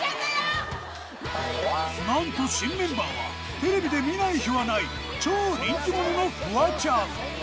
なんと新メンバーはテレビで見ない日はない超人気者のフワちゃん